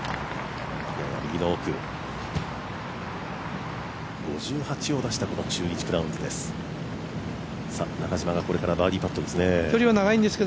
やや右の奥、５８を出したこの中日クラウンズです。